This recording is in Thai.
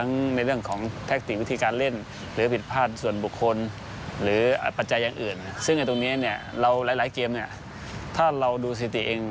ในเล่นท์กันซึ่งในตรงนี้เนี่ยเราหลายเกมเนี่ยถ้าเราดูสิทธิเอง